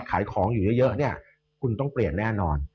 ขายของอยู่เยอะเนี่ยคุณต้องเปลี่ยนแน่นอน